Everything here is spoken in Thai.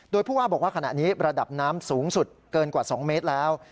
โดยผู้ว่าบอกว่าขณะนี้ระดับน้ำสูงสุดเกินกว่า๒เมตรแล้ว